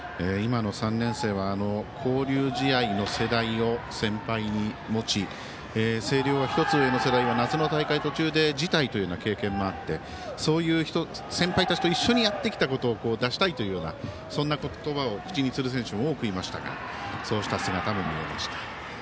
今の３年生は交流試合の世代を先輩に持ち星稜は１つ上の世代は夏の大会、途中で辞退という経験もあってそういう先輩たちと一緒にやってきたことを出したいというようなそんな言葉を口にする選手が多くいましたがそうした姿も見えました。